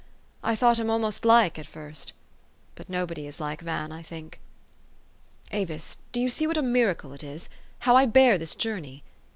I thought him almost like, at first. But nobody is like Van, I think. Avis, do } T OU see what a miracle it is? How I bear this journe}*?